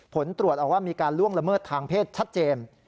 ผลตรวจออกว่ามีการล่วงละเมิดทางเพศชัดเจน